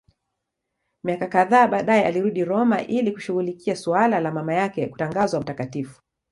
Miaka kadhaa baadaye alirudi Roma ili kushughulikia suala la mama yake kutangazwa mtakatifu.